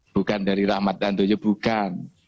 bukan dari rahmat handoyo bukan